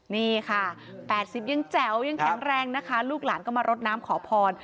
นี่ค่ะ๘๐ยังแจ๋วยังแข็งแรงนะคะลูกหลานก็มารดน้ำขอพร